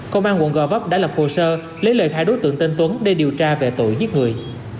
công an quận gò vấp đã lập hồ sơ lấy lời khai đối tượng tên tuấn để điều tra về tội giết người